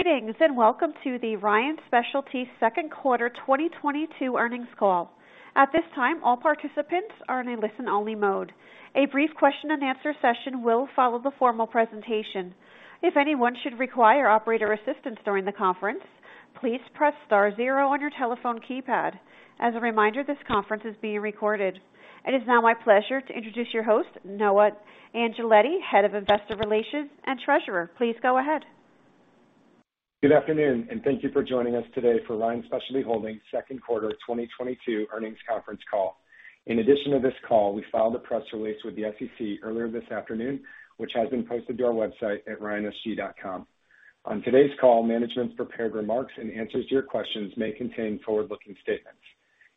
Greetings, and welcome to the Ryan Specialty Second Quarter 2022 Earnings Call. At this time, all participants are in a listen-only mode. A brief question and answer session will follow the formal presentation. If anyone should require operator assistance during the conference, please press star zero on your telephone keypad. As a reminder, this conference is being recorded. It is now my pleasure to introduce your host, Noah Angeletti, Head of Investor Relations and Treasurer. Please go ahead. Good afternoon, and thank you for joining us today for Ryan Specialty Holdings Second Quarter 2022 Earnings Conference Call. In addition to this call, we filed a press release with the SEC earlier this afternoon, which has been posted to our website at ryansg.com. On today's call, management's prepared remarks and answers to your questions may contain forward-looking statements.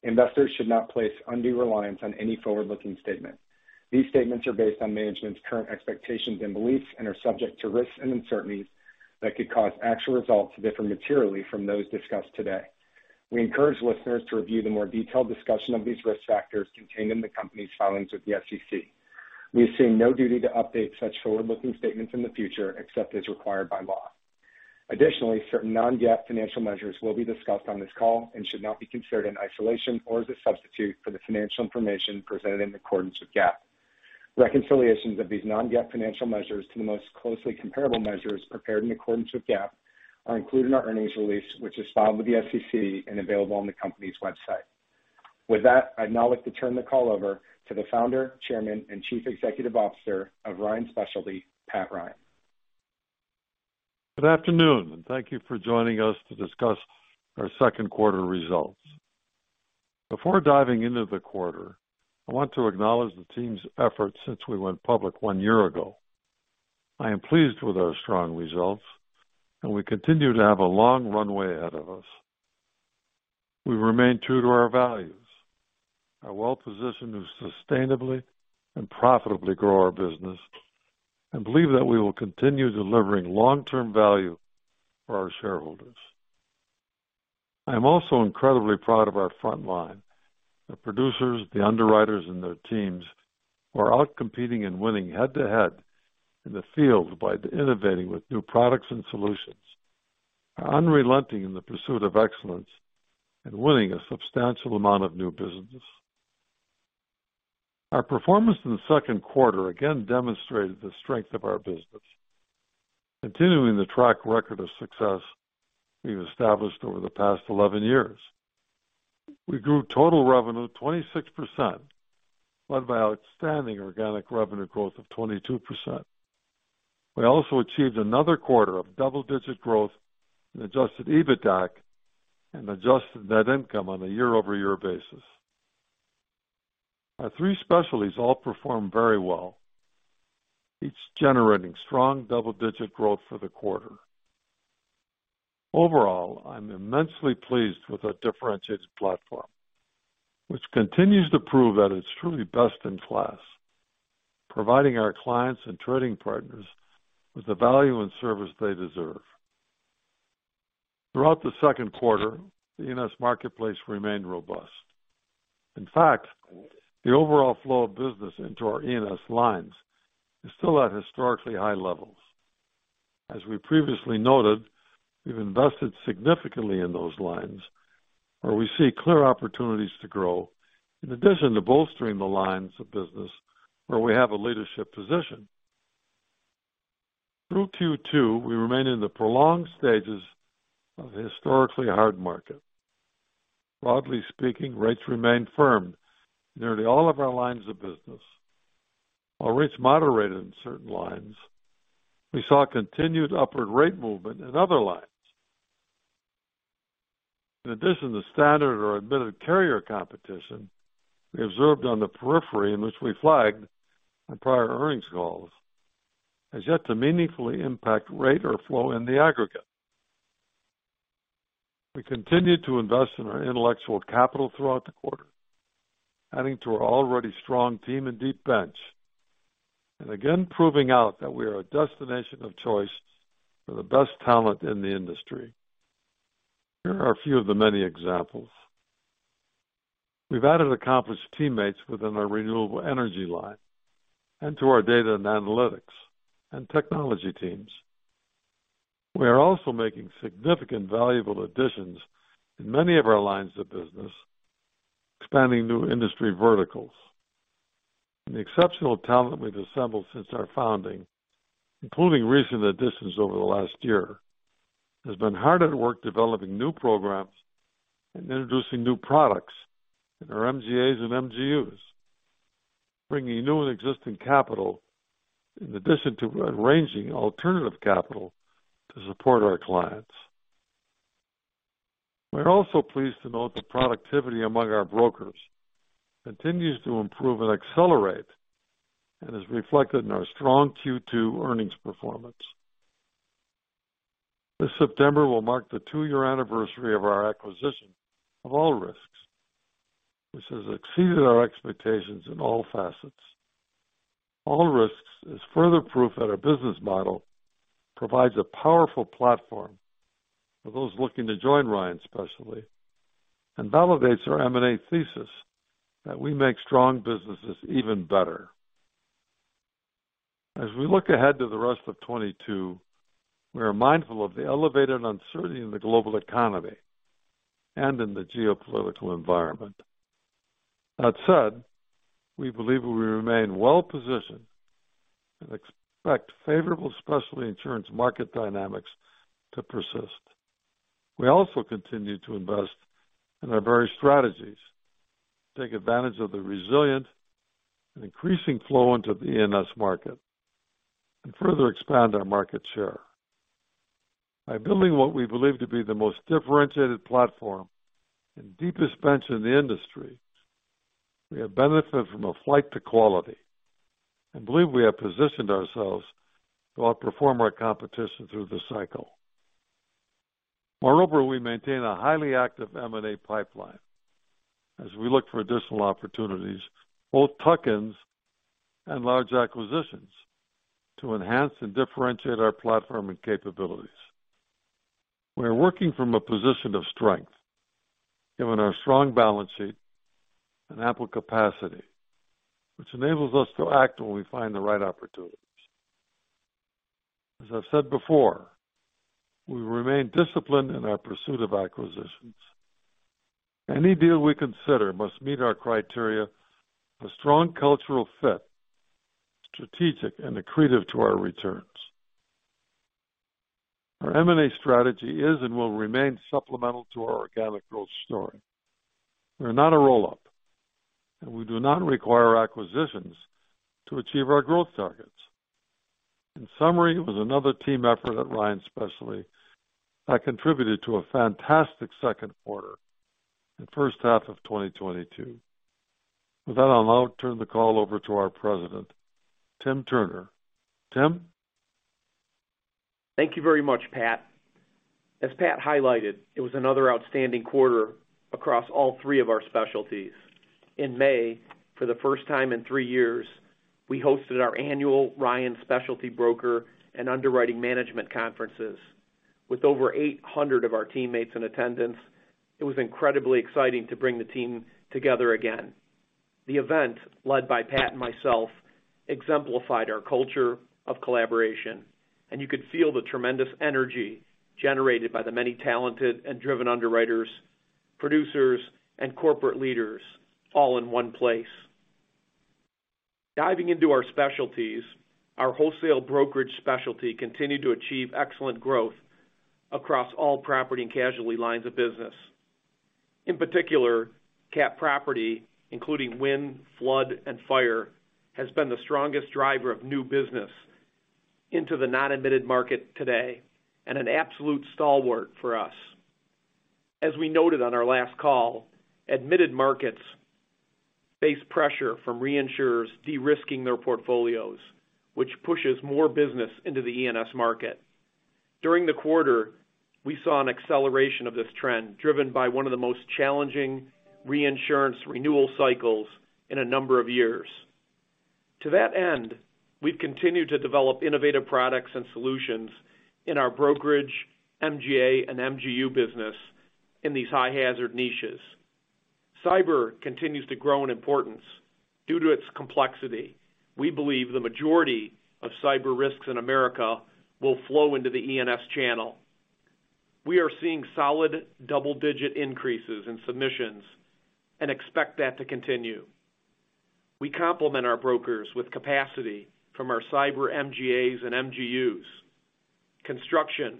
Investors should not place undue reliance on any forward-looking statements. These statements are based on management's current expectations and beliefs and are subject to risks and uncertainties that could cause actual results to differ materially from those discussed today. We encourage listeners to review the more detailed discussion of these risk factors contained in the company's filings with the SEC. We assume no duty to update such forward-looking statements in the future except as required by law. Additionally, certain non-GAAP financial measures will be discussed on this call and should not be considered in isolation or as a substitute for the financial information presented in accordance with GAAP. Reconciliations of these non-GAAP financial measures to the most closely comparable measures prepared in accordance with GAAP are included in our earnings release, which is filed with the SEC and available on the company's website. With that, I'd now like to turn the call over to the Founder, Chairman, and Chief Executive Officer of Ryan Specialty, Pat Ryan. Good afternoon, and thank you for joining us to discuss our Second Quarter Results. Before diving into the quarter, I want to acknowledge the team's efforts since we went public one year ago. I am pleased with our strong results, and we continue to have a long runway ahead of us. We remain true to our values, are well-positioned to sustainably and profitably grow our business, and believe that we will continue delivering long-term value for our shareholders. I am also incredibly proud of our front line. The producers, the underwriters, and their teams are out competing and winning head-to-head in the field by innovating with new products and solutions, are unrelenting in the pursuit of excellence, and winning a substantial amount of new business. Our performance in the second quarter again demonstrated the strength of our business, continuing the track record of success we've established over the past 11 years. We grew total revenue 26%, led by outstanding organic revenue growth of 22%. We also achieved another quarter of double-digit growth in adjusted EBITDAC and adjusted net income on a year-over-year basis. Our three specialties all performed very well, each generating strong double-digit growth for the quarter. Overall, I'm immensely pleased with our differentiated platform, which continues to prove that it's truly best in class, providing our clients and trading partners with the value and service they deserve. Throughout the second quarter, the E&S marketplace remained robust. In fact, the overall flow of business into our E&S Lines is still at historically high levels. As we previously noted, we've invested significantly in those lines where we see clear opportunities to grow, in addition to bolstering the lines of business where we have a leadership position. Through Q2, we remain in the prolonged stages of a historically hard market. Broadly speaking, rates remained firm in nearly all of our lines of business. While rates moderated in certain lines, we saw continued upward rate movement in other lines. In addition to standard or admitted carrier competition we observed on the periphery, which we flagged on prior earnings calls, has yet to meaningfully impact rate or flow in the aggregate. We continued to invest in our intellectual capital throughout the quarter, adding to our already strong team and deep bench, and again proving out that we are a destination of choice for the best talent in the industry. Here are a few of the many examples. We've added accomplished teammates within our renewable energy line and to our data and analytics and technology teams. We are also making significant valuable additions in many of our lines of business, expanding new industry verticals. The exceptional talent we've assembled since our founding, including recent additions over the last year, has been hard at work developing new programs and introducing new products in our MGAs and MGUs, bringing new and existing capital in addition to arranging alternative capital to support our clients. We're also pleased to note the productivity among our brokers continues to improve and accelerate and is reflected in our strong Q2 earnings performance. This September will mark the two-year anniversary of our acquisition of All Risks, which has exceeded our expectations in all facets. All Risks is further proof that our business model provides a powerful platform for those looking to join Ryan Specialty and validates our M&A thesis that we make strong businesses even better. As we look ahead to the rest of 2022, we are mindful of the elevated uncertainty in the global economy and in the geopolitical environment. That said, we believe we remain well-positioned and expect favorable specialty insurance market dynamics to persist. We also continue to invest in our various strategies to take advantage of the resilient and increasing flow into the E&S market and further expand our market share. By building what we believe to be the most differentiated platform and deepest bench in the industry, we have benefited from a flight to quality and believe we have positioned ourselves to outperform our competition through this cycle. Moreover, we maintain a highly active M&A pipeline as we look for additional opportunities, both tuck-ins and large acquisitions, to enhance and differentiate our platform and capabilities. We are working from a position of strength, given our strong balance sheet and ample capacity, which enables us to act when we find the right opportunities. As I've said before, we remain disciplined in our pursuit of acquisitions. Any deal we consider must meet our criteria for strong cultural fit, strategic, and accretive to our returns. Our M&A strategy is and will remain supplemental to our organic growth story. We are not a roll-up, and we do not require acquisitions to achieve our growth targets. In summary, it was another team effort at Ryan Specialty that contributed to a fantastic second quarter and first half of 2022. With that, I'll now turn the call over to our President, Tim Turner. Tim? Thank you very much, Pat. As Pat highlighted, it was another outstanding quarter across all three of our specialties. In May, for the first time in three years, we hosted our annual Ryan Specialty Broker and Underwriting Management Conferences. With over 800 of our teammates in attendance, it was incredibly exciting to bring the team together again. The event, led by Pat and myself, exemplified our culture of collaboration, and you could feel the tremendous energy generated by the many talented and driven underwriters, producers, and corporate leaders all in one place. Diving into our specialties, our wholesale brokerage specialty continued to achieve excellent growth across all property and casualty lines of business. In particular, CAT property, including wind, flood, and fire, has been the strongest driver of new business into the nonadmitted market today and an absolute stalwart for us. As we noted on our last call, admitted markets face pressure from reinsurers de-risking their portfolios, which pushes more business into the E&S market. During the quarter, we saw an acceleration of this trend, driven by one of the most challenging reinsurance renewal cycles in a number of years. To that end, we've continued to develop innovative products and solutions in our brokerage, MGA, and MGU business in these high-hazard niches. Cyber continues to grow in importance due to its complexity. We believe the majority of cyber risks in America will flow into the E&S channel. We are seeing solid double-digit increases in submissions and expect that to continue. We complement our brokers with capacity from our cyber MGAs and MGUs. Construction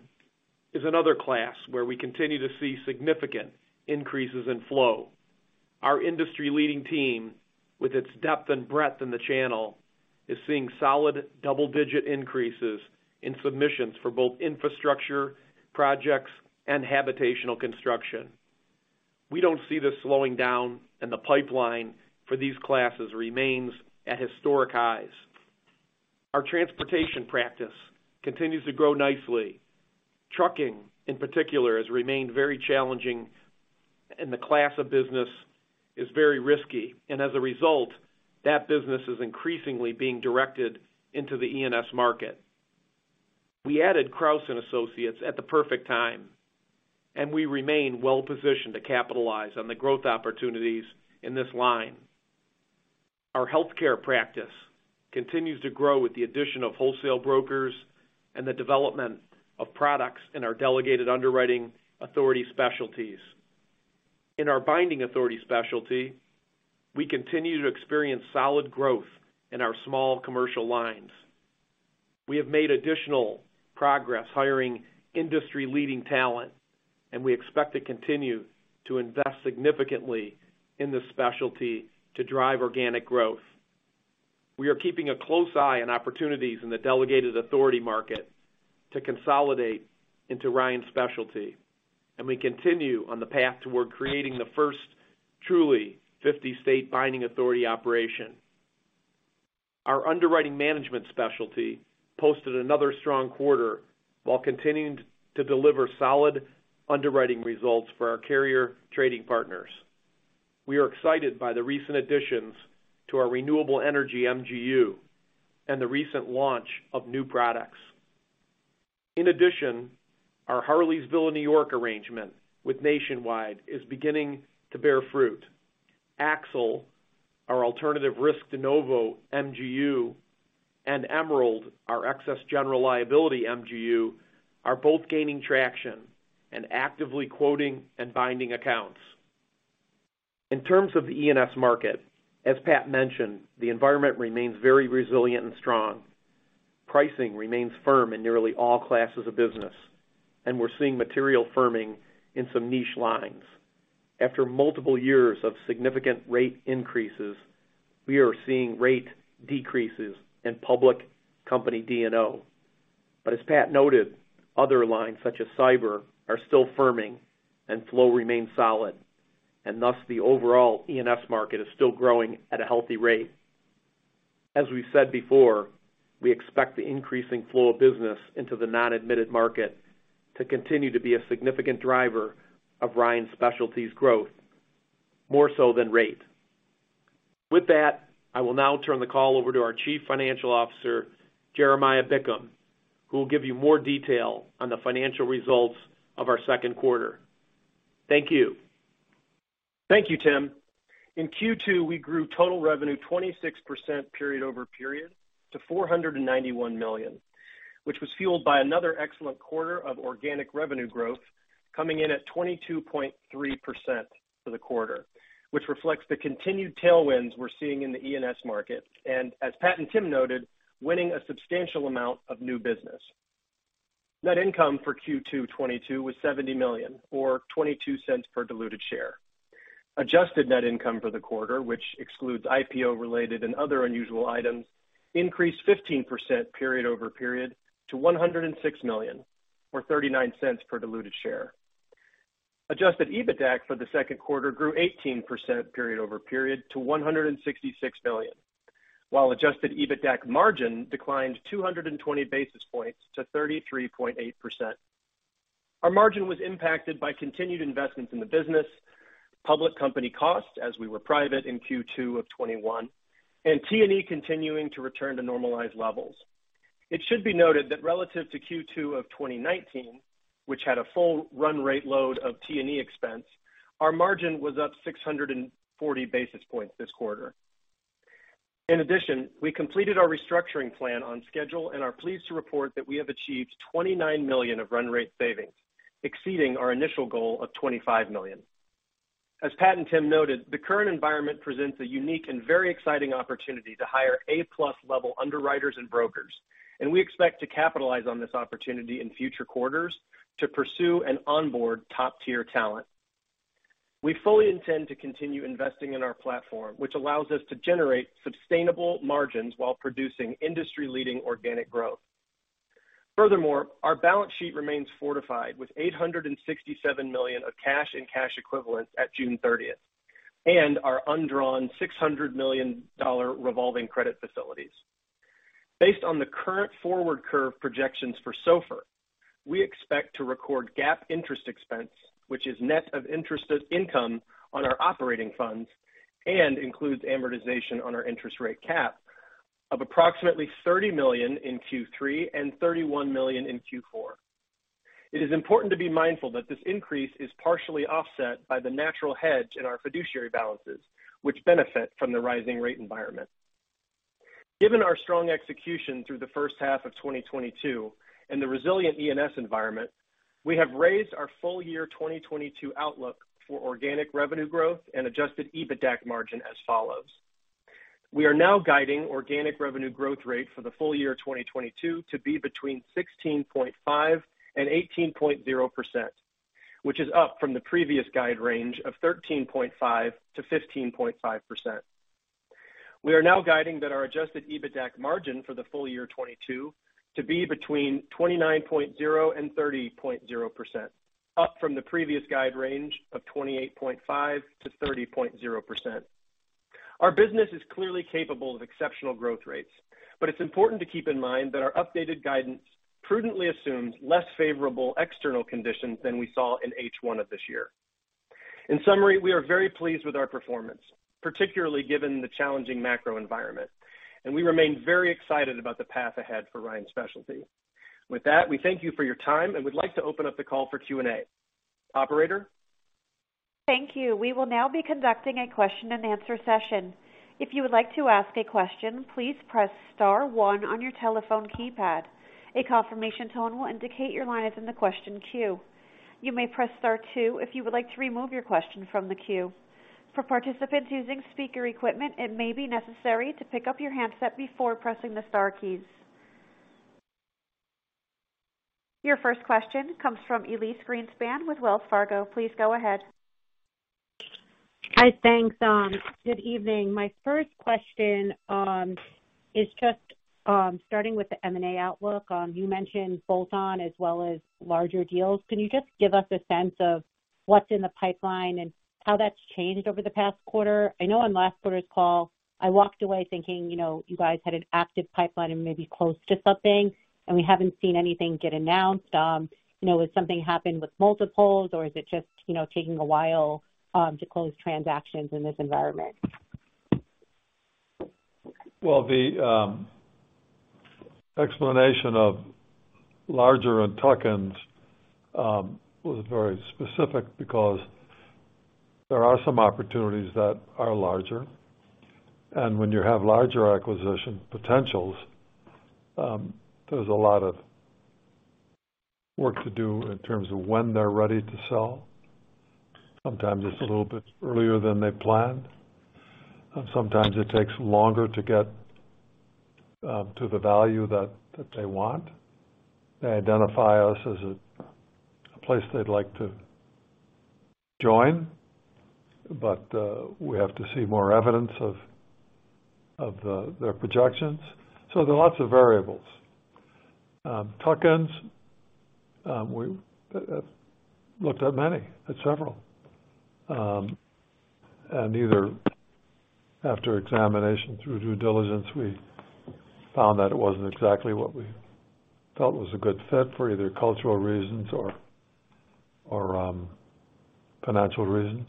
is another class where we continue to see significant increases in flow. Our industry-leading team, with its depth and breadth in the channel, is seeing solid double-digit increases in submissions for both infrastructure projects and habitational construction. We don't see this slowing down, and the pipeline for these classes remains at historic highs. Our transportation practice continues to grow nicely. Trucking, in particular, has remained very challenging, and the class of business is very risky. As a result, that business is increasingly being directed into the E&S market. We added Crouse and Associates at the perfect time, and we remain well-positioned to capitalize on the growth opportunities in this line. Our healthcare practice continues to grow with the addition of wholesale brokers and the development of products in our Delegated Underwriting Authority Specialties. In our Binding Authority Specialty, we continue to experience solid growth in our small commercial lines. We have made additional progress hiring industry-leading talent, and we expect to continue to invest significantly in this specialty to drive organic growth. We are keeping a close eye on opportunities in the delegated authority market to consolidate into Ryan Specialty, and we continue on the path toward creating the first truly 50-state binding authority operation. Our underwriting management specialty posted another strong quarter while continuing to deliver solid underwriting results for our carrier trading partners. We are excited by the recent additions to our renewable energy MGU and the recent launch of new products. In addition, our Harleysville, New York arrangement with Nationwide is beginning to bear fruit. AXSAL Re, our alternative risk de novo MGU, and Emerald, our excess general liability MGU, are both gaining traction and actively quoting and binding accounts. In terms of the E&S market, as Pat mentioned, the environment remains very resilient and strong. Pricing remains firm in nearly all classes of business, and we're seeing material firming in some niche lines. After multiple years of significant rate increases, we are seeing rate decreases in public company D&O. As Pat noted, other lines such as cyber are still firming and flow remains solid, and thus the overall E&S market is still growing at a healthy rate. As we've said before, we expect the increasing flow of business into the nonadmitted market to continue to be a significant driver of Ryan Specialty's growth, more so than rate. With that, I will now turn the call over to our Chief Financial Officer, Jeremiah Bickham, who will give you more detail on the financial results of our second quarter. Thank you. Thank you, Tim. In Q2, we grew total revenue 26% period-over-period to $491 million, which was fueled by another excellent quarter of organic revenue growth coming in at 22.3% for the quarter, which reflects the continued tailwinds we're seeing in the E&S market, and as Pat and Tim noted, winning a substantial amount of new business. Net income for Q2 2022 was $70 million or $0.22 per diluted share. Adjusted net income for the quarter, which excludes IPO related and other unusual items, increased 15% period-over-period to $106 million or $0.39 per diluted share. Adjusted EBITDA for the second quarter grew 18% period-over-period to $166 million, while adjusted EBITDA margin declined 220 basis points to 33.8%. Our margin was impacted by continued investments in the business, public company costs as we were private in Q2 of 2021, and T&E continuing to return to normalized levels. It should be noted that relative to Q2 of 2019, which had a full run rate load of T&E expense, our margin was up 640 basis points this quarter. In addition, we completed our restructuring plan on schedule and are pleased to report that we have achieved $29 million of run rate savings, exceeding our initial goal of $25 million. As Pat and Tim noted, the current environment presents a unique and very exciting opportunity to hire A+ level underwriters and brokers, and we expect to capitalize on this opportunity in future quarters to pursue and onboard top-tier talent. We fully intend to continue investing in our platform, which allows us to generate sustainable margins while producing industry-leading organic growth. Our balance sheet remains fortified with $867 million of cash and cash equivalents at June 30th, and our undrawn $600 million revolving credit facilities. Based on the current forward curve projections for SOFR, we expect to record GAAP interest expense, which is net of interest income on our operating funds and includes amortization on our interest rate cap of approximately $30 million in Q3 and $31 million in Q4. It is important to be mindful that this increase is partially offset by the natural hedge in our fiduciary balances, which benefit from the rising rate environment. Given our strong execution through the H1 of 2022 and the resilient E&S environment, we have raised our full year 2022 outlook for organic revenue growth and adjusted EBITDA margin as follows. We are now guiding organic revenue growth rate for the full year 2022 to be between 16.5%-18.0%, which is up from the previous guide range of 13.5%-15.5%. We are now guiding that our adjusted EBITDA margin for the full year 2022 to be between 29.0%-30.0%, up from the previous guide range of 28.5%-30.0%. Our business is clearly capable of exceptional growth rates, but it's important to keep in mind that our updated guidance prudently assumes less favorable external conditions than we saw in H1 of this year. In summary, we are very pleased with our performance, particularly given the challenging macro environment, and we remain very excited about the path ahead for Ryan Specialty. With that, we thank you for your time, and we'd like to open up the call for Q&A. Operator? Thank you. We will now be conducting a question-and-answer session. If you would like to ask a question, please press star one on your telephone keypad. A confirmation tone will indicate your line is in the question queue. You may press star two if you would like to remove your question from the queue. For participants using speaker equipment, it may be necessary to pick up your handset before pressing the star keys. Your first question comes from Elyse Greenspan with Wells Fargo. Please go ahead. Hi. Thanks. Good evening. My first question is just starting with the M&A outlook. You mentioned bolt-on as well as larger deals. Can you just give us a sense of what's in the pipeline and how that's changed over the past quarter? I know on last quarter's call, I walked away thinking, you know, you guys had an active pipeline and maybe close to something, and we haven't seen anything get announced. You know, has something happened with multiples or is it just, you know, taking a while to close transactions in this environment? Well, the explanation of larger and tuck-ins was very specific because there are some opportunities that are larger. When you have larger acquisition potentials, there's a lot of work to do in terms of when they're ready to sell. Sometimes it's a little bit earlier than they planned, and sometimes it takes longer to get to the value that they want. They identify us as a place they'd like to join, but we have to see more evidence of their projections. There are lots of variables. Tuck-ins, we looked at many, at several. Either after examination through due diligence, we found that it wasn't exactly what we felt was a good fit for either cultural reasons or financial reasons.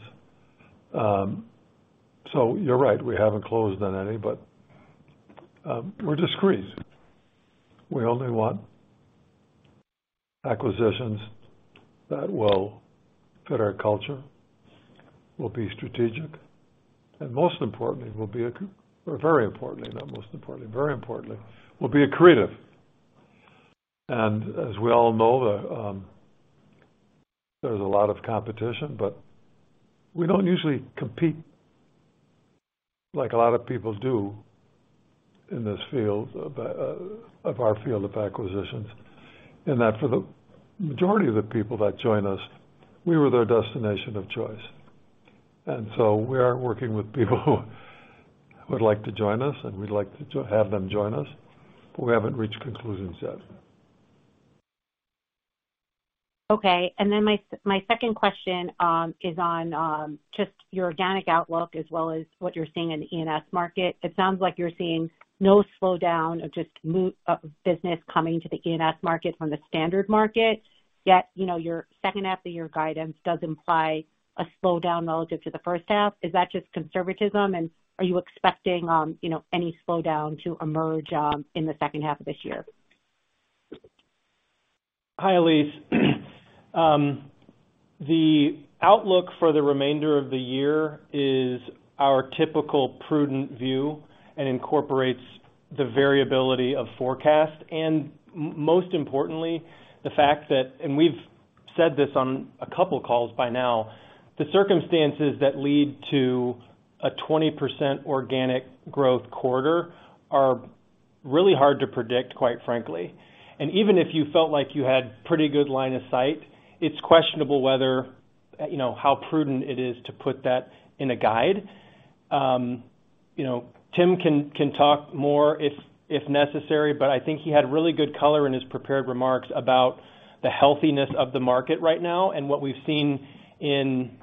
You're right, we haven't closed on any, but we're discreet. We only want acquisitions that will fit our culture, will be strategic, and most importantly, or very importantly, not most importantly, very importantly, will be accretive. As we all know, there's a lot of competition, but we don't usually compete like a lot of people do in this field of our field of acquisitions, in that for the majority of the people that join us, we were their destination of choice. We are working with people who would like to join us, and we'd like to have them join us, but we haven't reached conclusions yet. Okay. My second question is on just your organic outlook as well as what you're seeing in the E&S market. It sounds like you're seeing no slowdown, just more of business coming to the E&S market from the standard market. Yet, you know, your second half of your guidance does imply a slowdown relative to the first half. Is that just conservatism? Are you expecting any slowdown to emerge in the second half of this year? Hi, Elyse. The outlook for the remainder of the year is our typical prudent view and incorporates the variability of forecast. Most importantly, the fact that, and we've said this on a couple of calls by now, the circumstances that lead to a 20% organic growth quarter are really hard to predict, quite frankly. Even if you felt like you had pretty good line of sight, it's questionable whether, you know, how prudent it is to put that in a guide. You know, Tim can talk more if necessary, but I think he had really good color in his prepared remarks about the healthiness of the market right now and what we've seen in,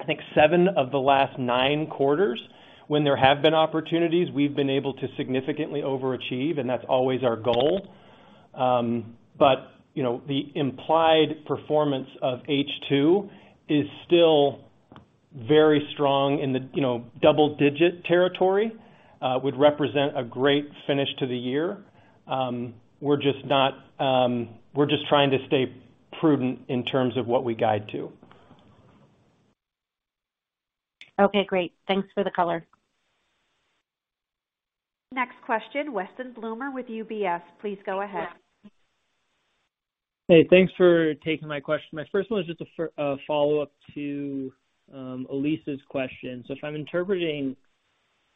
I think, seven of the last nine quarters. When there have been opportunities, we've been able to significantly overachieve, and that's always our goal. You know, the implied performance of H2 is still very strong in the, you know, double-digit territory would represent a great finish to the year. We're just trying to stay prudent in terms of what we guide to. Okay, great. Thanks for the color. Next question, Weston Bloomer with UBS. Please go ahead. Hey, thanks for taking my question. My first one is just a follow-up to Elyse's question. So if I'm interpreting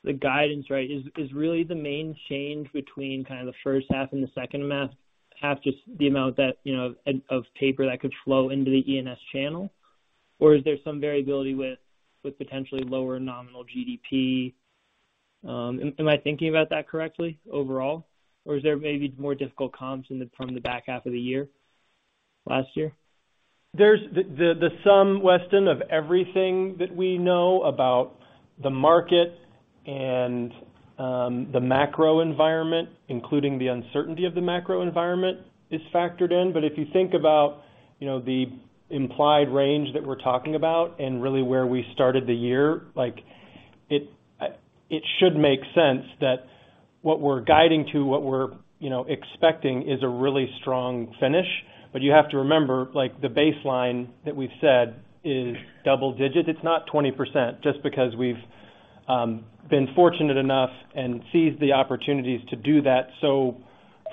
the guidance right, is really the main change between kind of the first half and the second half just the amount that, you know, of paper that could flow into the E&S channel? Or is there some variability with potentially lower nominal GDP? Am I thinking about that correctly overall? Or is there maybe more difficult comps from the back half of the year, last year? That's the sum, Weston, of everything that we know about the market and the macro environment, including the uncertainty of the macro environment is factored in. If you think about, you know, the implied range that we're talking about and really where we started the year, like, it should make sense that what we're guiding to, what we're, you know, expecting is a really strong finish. You have to remember, like, the baseline that we've said is double-digit. It's not 20%. Just because we've been fortunate enough and seized the opportunities to do that so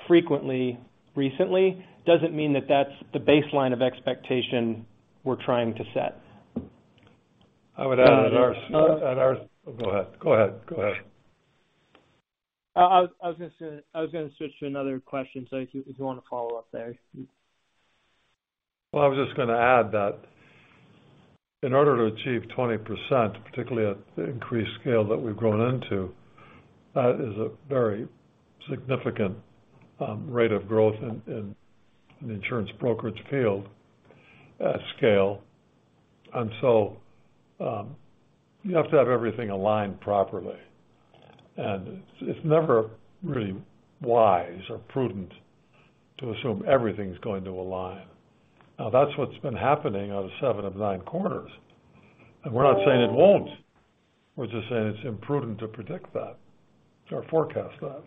frequently recently, doesn't mean that that's the baseline of expectation we're trying to set. I would add ours. Oh. Go ahead. I was gonna switch to another question. If you wanna follow up there. Well, I was just gonna add that in order to achieve 20%, particularly at the increased scale that we've grown into, that is a very significant rate of growth in an insurance brokerage field, scale. You have to have everything aligned properly. It's never really wise or prudent to assume everything's going to align. Now, that's what's been happening on seven of nine quarters. We're not saying it won't. We're just saying it's imprudent to predict that or forecast that.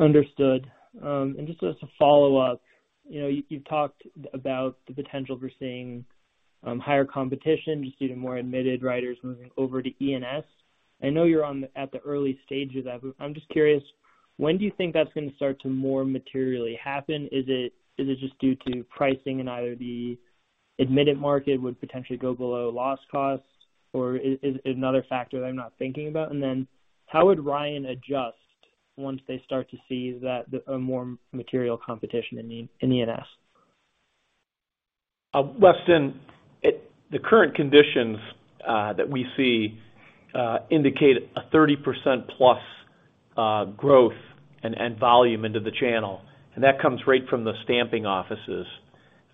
Understood. Just as a follow-up, you know, you've talked about the potential for seeing higher competition just due to more admitted writers moving over to E&S. I know you're at the early stage of that, but I'm just curious, when do you think that's gonna start to more materially happen? Is it just due to pricing and either the admitted market would potentially go below loss costs? Or is another factor that I'm not thinking about? How would Ryan adjust once they start to see that, a more material competition in E&S? Weston, the current conditions that we see indicate a 30%+ growth and volume into the channel, and that comes right from the stamping offices.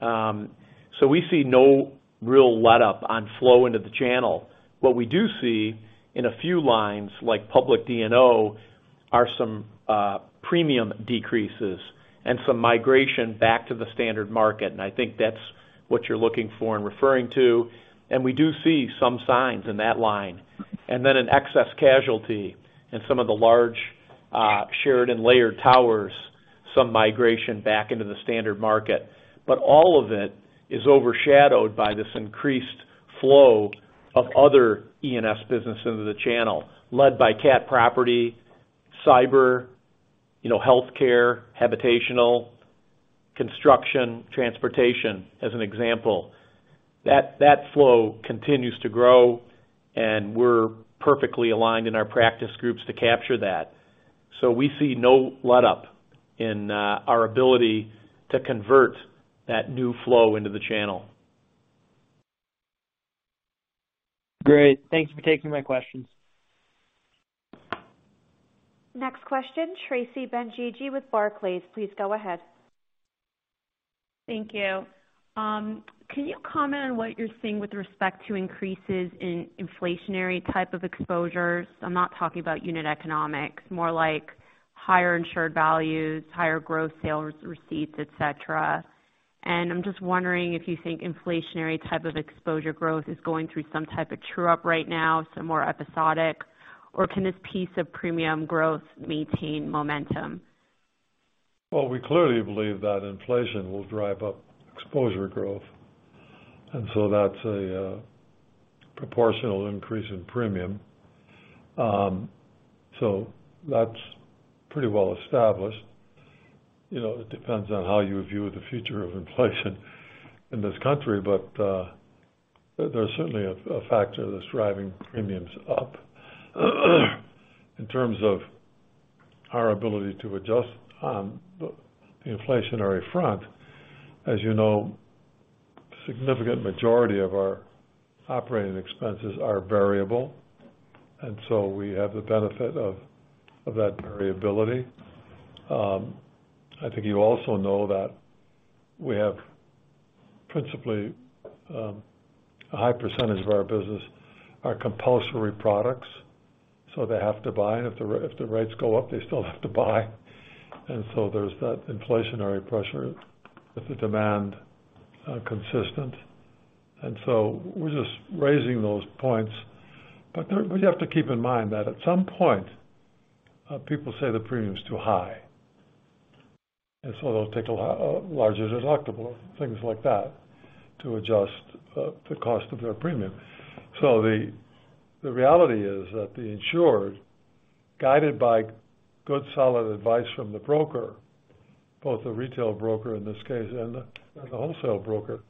We see no real letup on flow into the channel. What we do see in a few lines, like public D&O, are some premium decreases and some migration back to the standard market, and I think that's what you're looking for and referring to. We do see some signs in that line. Then in excess casualty in some of the large shared and layered towers, some migration back into the standard market. All of it is overshadowed by this increased flow of other E&S business into the channel, led by CAT property, cyber, you know, healthcare, habitational, construction, transportation, as an example. That flow continues to grow, and we're perfectly aligned in our practice groups to capture that. We see no letup in our ability to convert that new flow into the channel. Great. Thanks for taking my questions. Next question, Tracy Benguigui with Barclays. Please go ahead. Thank you. Can you comment on what you're seeing with respect to increases in inflationary type of exposures? I'm not talking about unit economics, more like higher insured values, higher growth sales receipts, et cetera. I'm just wondering if you think inflationary type of exposure growth is going through some type of true up right now, so more episodic, or can this piece of premium growth maintain momentum? Well, we clearly believe that inflation will drive up exposure growth, and so that's a proportional increase in premium. That's pretty well established. You know, it depends on how you view the future of inflation in this country, but there's certainly a factor that's driving premiums up. In terms of our ability to adjust on the inflationary front, as you know, significant majority of our operating expenses are variable, and so we have the benefit of that variability. I think you also know that we have principally a high percentage of our business are compulsory products, so they have to buy. If the rates go up, they still have to buy, as holders that inflationary pressure, with the demand consistent, and so we're just raising those points. We have to keep in mind that at some point, people say the premium's too high, and so they'll take a larger deductible, things like that, to adjust the cost of their premium. The reality is that the insured, guided by good, solid advice from the broker, both the retail broker in this case and the wholesale broker,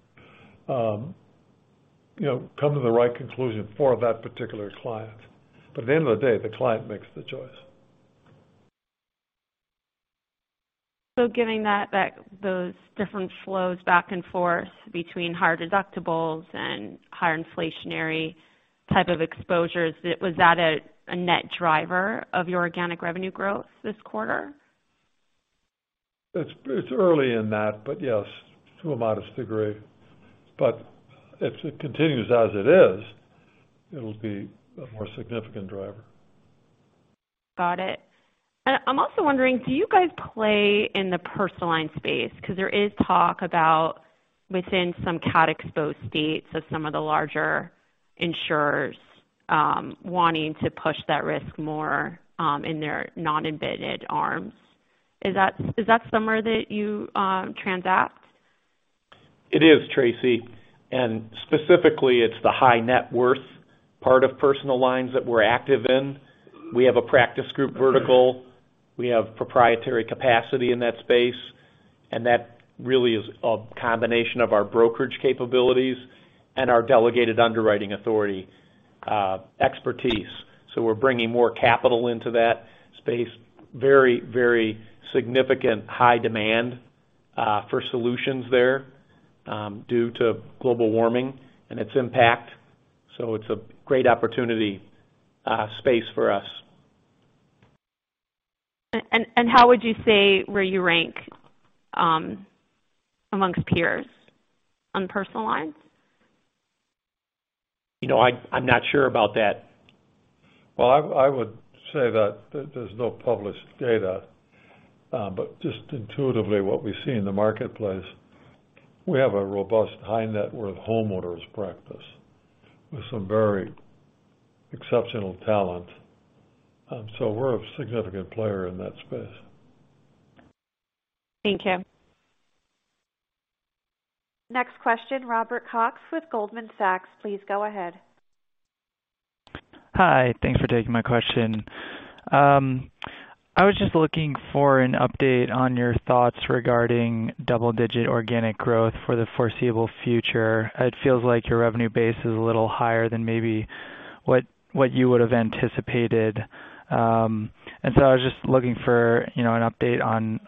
you know, come to the right conclusion for that particular client. At the end of the day, the client makes the choice. Given that, those different flows back and forth between higher deductibles and higher inflationary type of exposures, was that a net driver of your organic revenue growth this quarter? It's early in that, but yes, to a modest degree. If it continues as it is, it'll be a more significant driver. Got it. I'm also wondering, do you guys play in the personal line space? 'Cause there is talk about within some CAT-exposed states of some of the larger insurers, wanting to push that risk more, in their non-embedded arms. Is that somewhere that you transact? It is, Tracy. Specifically, it's the high net worth part of personal lines that we're active in. We have a practice group vertical. We have proprietary capacity in that space, and that really is a combination of our brokerage capabilities and our delegated underwriting authority expertise. We're bringing more capital into that space. Very, very significant high demand for solutions there due to global warming and its impact. It's a great opportunity space for us. How would you say where you rank among peers on personal lines? You know, I'm not sure about that. Well, I would say that there's no published data. Just intuitively what we see in the marketplace, we have a robust high net worth homeowners practice with some very exceptional talent. We're a significant player in that space. Thank you. Next question, Robert Cox with Goldman Sachs. Please go ahead. Hi. Thanks for taking my question. I was just looking for an update on your thoughts regarding double-digit organic growth for the foreseeable future. It feels like your revenue base is a little higher than maybe what you would have anticipated. I was just looking for, you know, an update on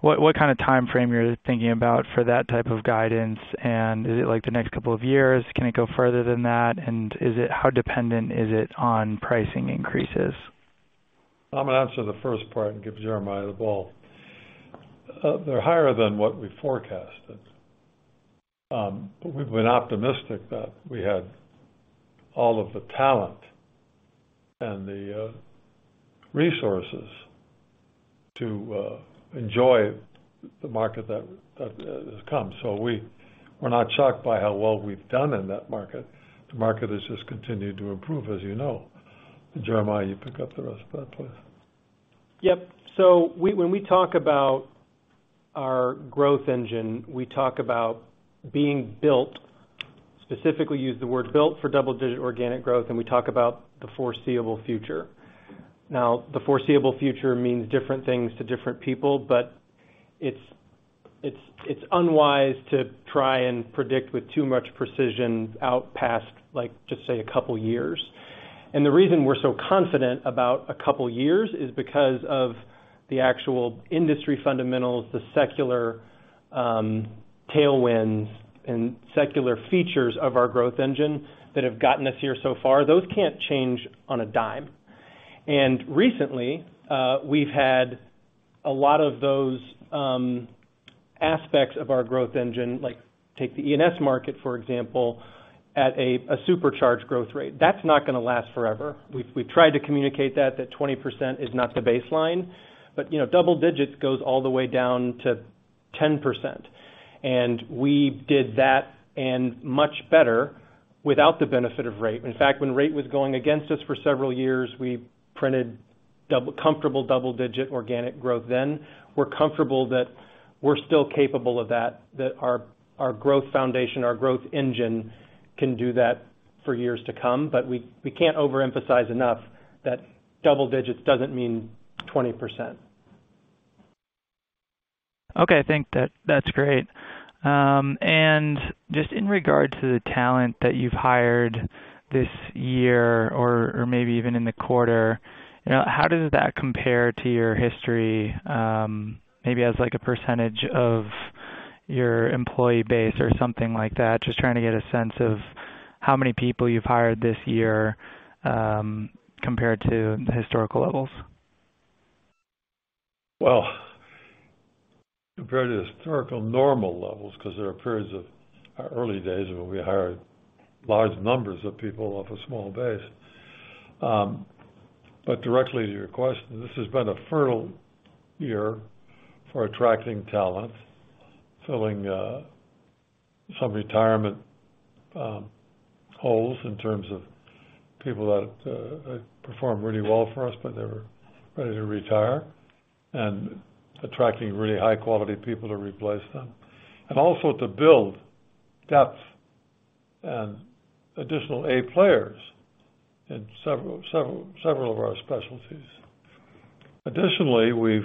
what kind of timeframe you're thinking about for that type of guidance. Is it like the next couple of years? Can it go further than that? How dependent is it on pricing increases? I'm gonna answer the first part and give Jeremiah the ball. They're higher than what we forecasted. But we've been optimistic that we had all of the talent and the resources to enjoy the market that has come. We're not shocked by how well we've done in that market. The market has just continued to improve, as you know. Jeremiah, you pick up the rest of that, please. Yep. When we talk about our growth engine, we talk about being built, specifically use the word built for double-digit organic growth, and we talk about the foreseeable future. Now, the foreseeable future means different things to different people, but it's unwise to try and predict with too much precision out past, like, just say, a couple years. The reason we're so confident about a couple of years is because of the actual industry fundamentals, the secular tailwinds and secular features of our growth engine that have gotten us here so far. Those can't change on a dime. Recently, we've had a lot of those aspects of our growth engine, like take the E&S market, for example, at a supercharged growth rate. That's not gonna last forever. We've tried to communicate that 20% is not the baseline, but you know, double digits goes all the way down to 10%. We did that and much better without the benefit of rate. In fact, when rate was going against us for several years, we printed comfortable double-digit organic growth then. We're comfortable that we're still capable of that our growth foundation, our growth engine can do that for years to come. We can't overemphasize enough that double digits doesn't mean 20%. Okay. I think that's great. Just in regard to the talent that you've hired this year or maybe even in the quarter, you know, how does that compare to your history, maybe as like a percentage of your employee base or something like that? Just trying to get a sense of how many people you've hired this year, compared to the historical levels. Well, compared to historical normal levels, 'cause there are periods of our early days where we hired large numbers of people off a small base. Directly to your question, this has been a fertile year for attracting talent, filling some retirement holes in terms of people that performed really well for us, but they were ready to retire. Attracting really high quality people to replace them. Also to build depth and additional A players in several of our specialties. Additionally, we've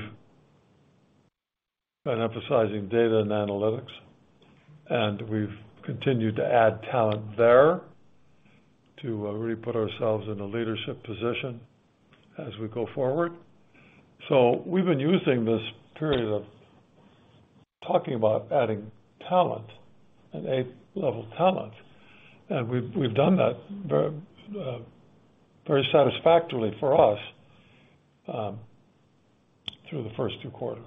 been emphasizing data and analytics, and we've continued to add talent there to really put ourselves in a leadership position as we go forward. We've been using this period of talking about adding talent and A-level talent, and we've done that very satisfactorily for us through the first two quarters.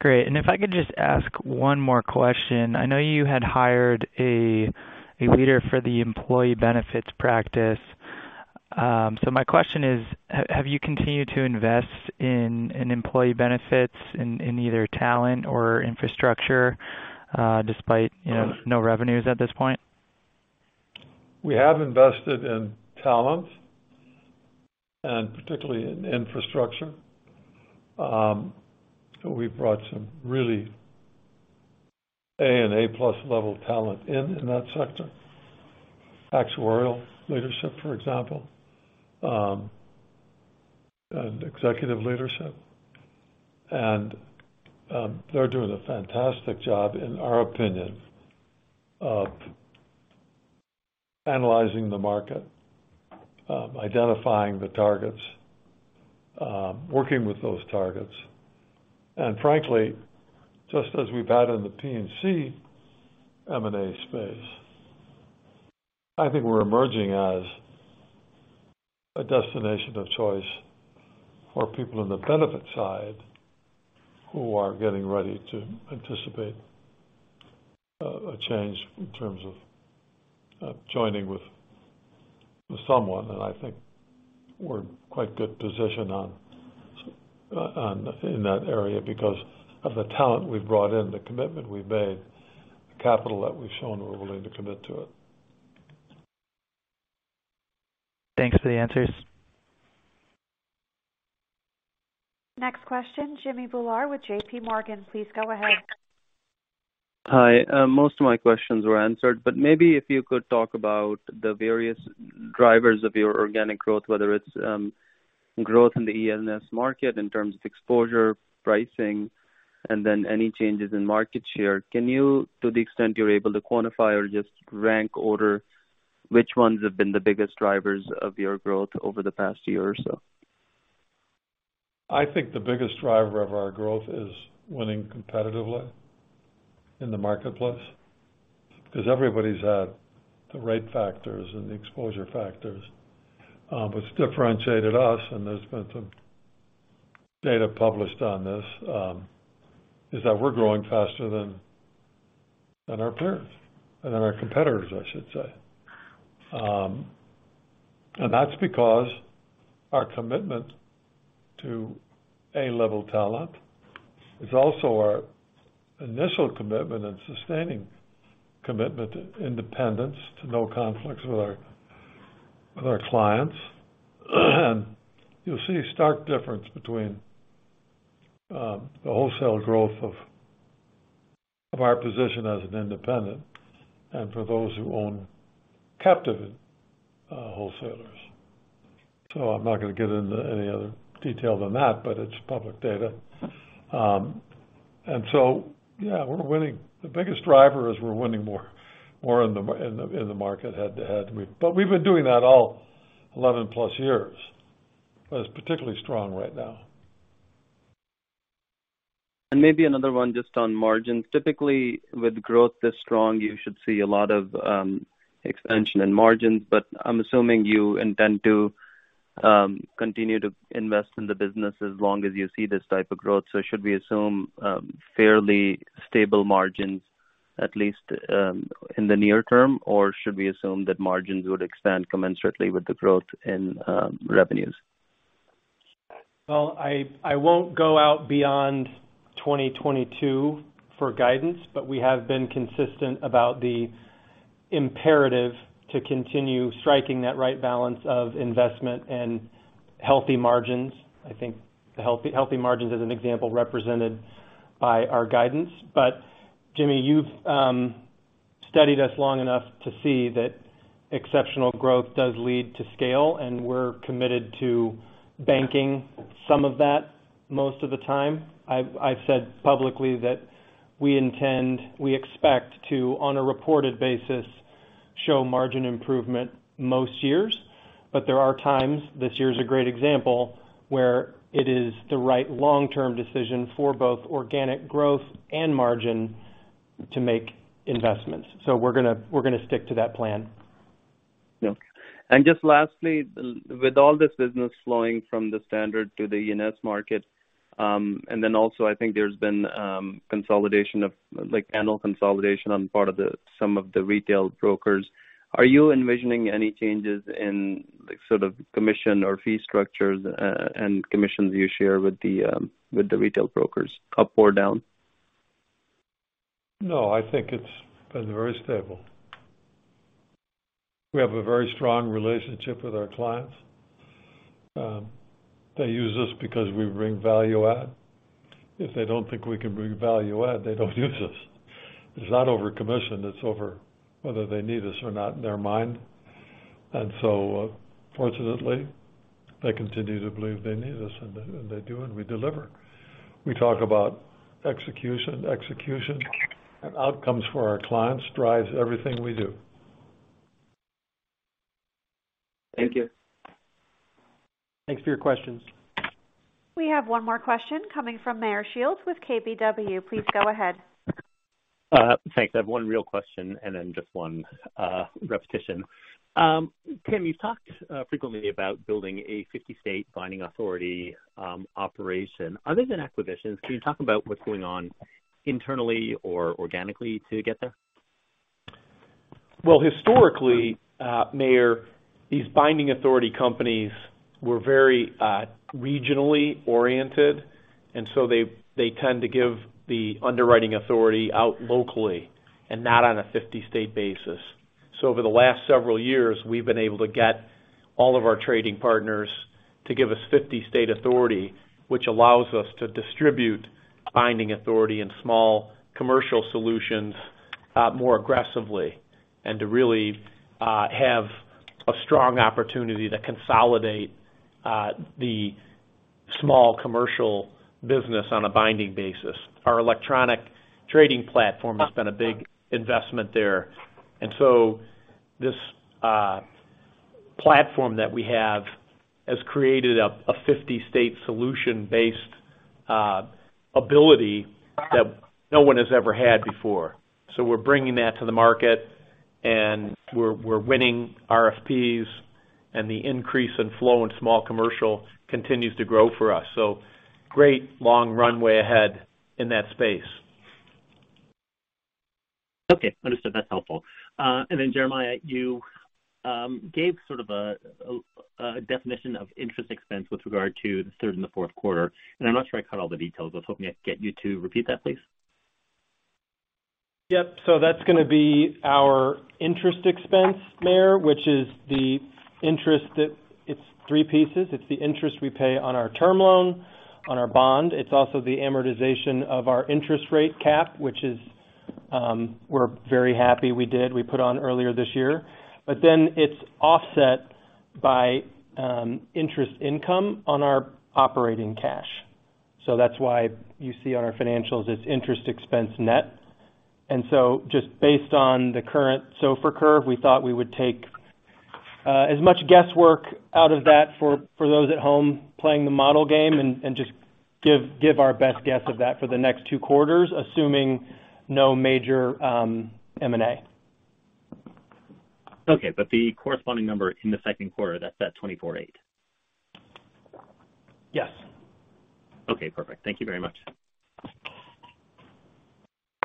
Great. If I could just ask one more question. I know you had hired a leader for the employee benefits practice. My question is, have you continued to invest in employee benefits in either talent or infrastructure, despite, you know, no revenues at this point? We have invested in talent and particularly in infrastructure. We've brought some really A and A+ level talent in that sector. Actuarial leadership, for example, and executive leadership. They're doing a fantastic job, in our opinion, of analyzing the market, identifying the targets, working with those targets. Frankly, just as we've had in the P&C M&A space, I think we're emerging as a destination of choice for people in the benefit side who are getting ready to anticipate a change in terms of joining with someone. I think we're well positioned in that area because of the talent we've brought in, the commitment we've made, the capital that we've shown we're willing to commit to it. Thanks for the answers. Next question, Jimmy Bhullar with JPMorgan. Please go ahead. Hi. Most of my questions were answered, but maybe if you could talk about the various drivers of your organic growth, whether it's growth in the E&S market in terms of exposure, pricing, and then any changes in market share. Can you, to the extent you're able to quantify or just rank order, which ones have been the biggest drivers of your growth over the past year or so? I think the biggest driver of our growth is winning competitively in the marketplace because everybody's had the rate factors and the exposure factors. What's differentiated us, and there's been some data published on this, is that we're growing faster than our peers, than our competitors, I should say. That's because our commitment to A-level talent. It's also our initial commitment and sustaining commitment to independence, to no conflicts with our clients. You'll see a stark difference between the wholesale growth of our position as an independent and for those who own captive wholesalers. I'm not gonna get into any other detail than that, but it's public data. Yeah, we're winning. The biggest driver is we're winning more in the market head-to-head. We've been doing that all 11+ years, but it's particularly strong right now. Maybe another one just on margins. Typically, with growth this strong, you should see a lot of expansion in margins, but I'm assuming you intend to continue to invest in the business as long as you see this type of growth. Should we assume fairly stable margins at least in the near term? Or should we assume that margins would expand commensurately with the growth in revenues? Well, I won't go out beyond 2022 for guidance, but we have been consistent about the imperative to continue striking that right balance of investment and healthy margins. I think healthy margins is an example represented by our guidance. Jimmy, you've studied us long enough to see that exceptional growth does lead to scale, and we're committed to banking some of that most of the time. I've said publicly that we intend, we expect to, on a reported basis, show margin improvement most years. There are times, this year is a great example, where it is the right long-term decision for both organic growth and margin to make investments. We're gonna stick to that plan. Yeah. Just lastly, with all this business flowing from the standard to the E&S market, and then also I think there's been consolidation of, like, panel consolidation on the part of some of the retail brokers. Are you envisioning any changes in, like, sort of commission or fee structures, and commissions you share with the retail brokers, up or down? No, I think it's been very stable. We have a very strong relationship with our clients. They use us because we bring value add. If they don't think we can bring value add, they don't use us. It's not over commission, it's over whether they need us or not in their mind. Fortunately, they continue to believe they need us, and they do, and we deliver. We talk about execution. Execution and outcomes for our clients drives everything we do. Thank you. Thanks for your questions. We have one more question coming from Meyer Shields with KBW. Please go ahead. Thanks. I have one real question and then just one repetition. Tim, you've talked frequently about building a 50-state binding authority operation. Other than acquisitions, can you talk about what's going on internally or organically to get there? Well, historically, Meyer, these binding authority companies were very, regionally oriented, and so they tend to give the underwriting authority out locally and not on a 50-state basis. Over the last several years, we've been able to get all of our trading partners to give us 50-state authority, which allows us to distribute binding authority in small commercial solutions, more aggressively and to really, have a strong opportunity to consolidate, the small commercial business on a binding basis. Our electronic trading platform has been a big investment there. This platform that we have has created a 50-state solution based ability that no one has ever had before. We're bringing that to the market, and we're winning RFPs, and the increase in flow in small commercial continues to grow for us. Great long runway ahead in that space. Okay. Understood. That's helpful. Jeremiah, you gave sort of a definition of interest expense with regard to the third and the fourth quarter, and I'm not sure I caught all the details. I was hoping I'd get you to repeat that, please. Yep. That's gonna be our interest expense there, which is the interest. It's three pieces. It's the interest we pay on our term loan, on our bond. It's also the amortization of our interest rate cap, which is, we're very happy we did, we put on earlier this year. It's offset by interest income on our operating cash. That's why you see on our financials it's interest expense net. Just based on the current SOFR curve, we thought we would take as much guesswork out of that for those at home playing the model game and just give our best guess of that for the next two quarters, assuming no major M&A. Okay, the corresponding number in the second quarter, that's at 24.8. Yes. Okay, perfect. Thank you very much.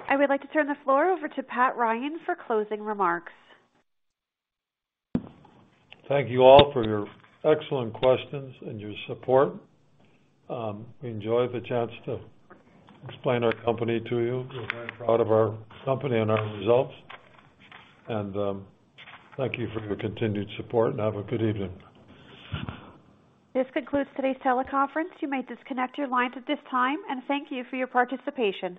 I would like to turn the floor over to Pat Ryan for closing remarks. Thank you all for your excellent questions and your support. We enjoy the chance to explain our company to you. We're very proud of our company and our results. Thank you for your continued support, and have a good evening. This concludes today's teleconference. You may disconnect your lines at this time, and thank you for your participation.